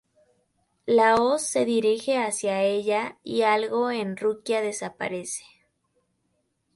La hoz se dirige hacia ella y algo en Rukia desaparece.